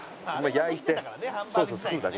焼いてソース作るだけ。